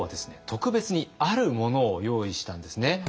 特別にあるものを用意したんですね。